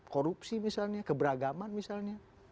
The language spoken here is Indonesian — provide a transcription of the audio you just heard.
korupsi misalnya keberagaman misalnya